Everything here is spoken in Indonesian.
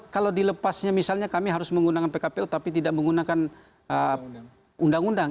kalau dilepasnya misalnya kami harus menggunakan pkpu tapi tidak menggunakan undang undang